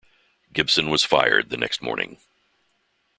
Gibson was fired the next morning.